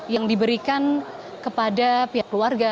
yang diberikan kepada pihak keluarga